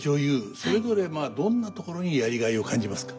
それぞれどんなところにやりがいを感じますか？